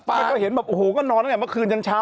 ไปก็เห็นแบบโอ้โหก็นอนตั้งแต่เมื่อคืนยันเช้า